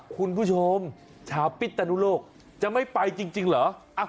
คุณผู้ชมชาวพิษนุโลกจะไม่ไปจริงเหรอ